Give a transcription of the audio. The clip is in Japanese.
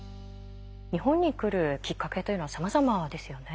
日本に来るきっかけというのはさまざまですよね。